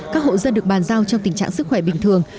các hộ dân được bàn giao trong tình trạng sức khỏe bình thường